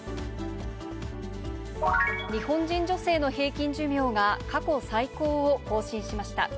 日本人女性の平均寿命が、過去最高を更新しました。